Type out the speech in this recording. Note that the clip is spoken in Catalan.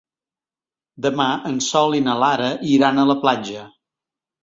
Demà en Sol i na Lara iran a la platja.